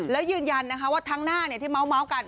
แล้วยืนยันนะคะว่าทั้งหน้าที่เม้ากัน